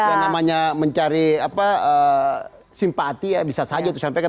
yang namanya mencari simpati ya bisa saja itu sampaikan